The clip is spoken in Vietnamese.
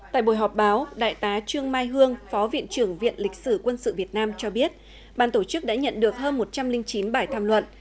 tại buổi họp báo đại tá trương mai hương phó viện trưởng viện lịch sử quân sự việt nam cho biết ban tổ chức đã nhận được hơn một trăm linh chín bài tham luận